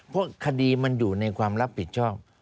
เพราะคดีมันอยู่ในความรับผิดชอบ